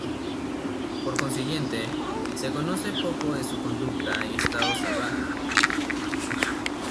Por consiguiente, se conoce poco de su conducta en estado salvaje.